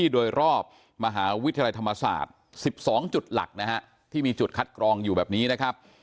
โดยรอบมหาวิทยาลัยธรรมศาสตร์๑๒จุดหลักนะฮะที่มีจุดคัดกรองอยู่แบบนี้นะครับ